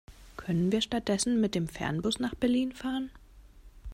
Können wir stattdessen mit dem Fernbus nach Berlin fahren?